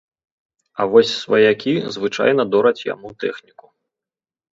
А вось сваякі звычайна дораць яму тэхніку.